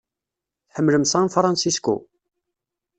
Tḥemmlem San Francisco?